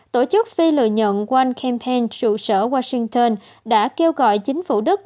tổ chức phi lừa nhận one campaign sự sở washington đã kêu gọi chính phủ đức